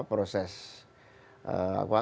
kukristalisasi berikutnya ya